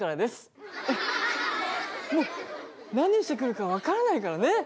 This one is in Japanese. もう何してくるか分からないからね。